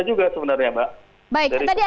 juga sebenarnya pak